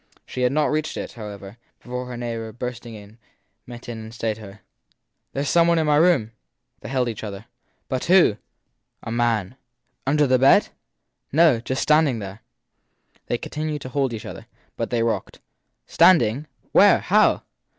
She had not reached it, how ever, before her neighbour, bursting in, met her and stayed her. There s some one in my room! They held each other. But who? A man/ Under the bed? No just standing there. They continued to hold each other, but they rocked. Stand ing? Where? How?